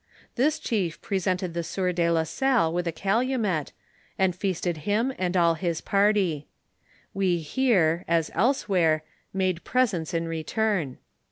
This chief presented the sieur de la Salle with u >;alumet. j.nd feasted him and all his party. We here, as elsewhere, . ;ii, de presents in return.